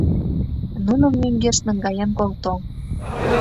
Нуным мӧҥгеш наҥгаен колто: